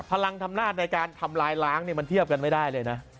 พลังธรรมนาจในการทำลายล้างมันเทียบกันไม่ได้เลยนะ